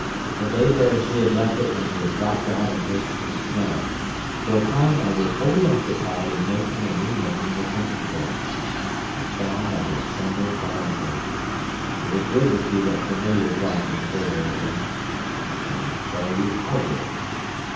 It lay there as we had left it when we had dropped out amidst the snow. For a time I was wholly occupied in making and remaking this inventory. I found I was trembling violently. It was good to see that familiar dark interior again! I cannot tell you how good.